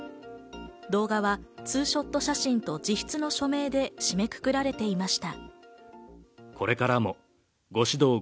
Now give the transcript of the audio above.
動画はツーショット写真と自筆の署名で締めくくられていました。